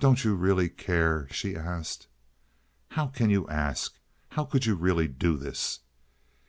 "Don't you really care?" she asked. "How can you ask? How could you really do this?"